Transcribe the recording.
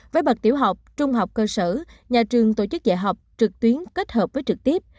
với bậc tiểu học trung học cơ sở nhà trường tổ chức dạy học trực tuyến kết hợp với trực tiếp